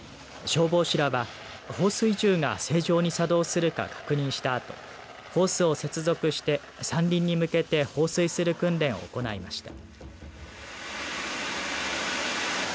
消防士らは放水銃が正常に作動するか確認したあとホースを接続して、山林に向けて放水する訓練を行いました。